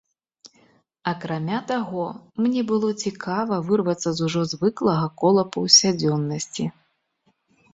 Акрамя таго, мне было цікава вырвацца з ужо звыклага кола паўсядзённасці.